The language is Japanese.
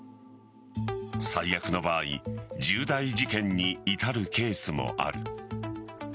最悪の場合重大事件に至るケースもある。